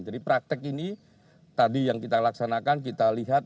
jadi praktek ini tadi yang kita laksanakan kita lihat